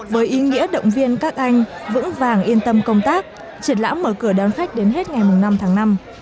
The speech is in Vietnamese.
với ý nghĩa động viên các anh vững vàng yên tâm công tác triển lãm mở cửa đón khách đến hết ngày năm tháng năm